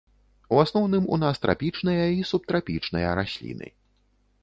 У асноўным, у нас трапічныя і субтрапічныя расліны.